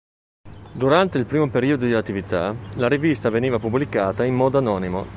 Durante il primo periodo di attività la rivista veniva pubblicata in modo anonimo.